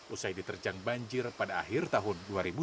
usai diterjang banjir pada akhir tahun dua ribu dua puluh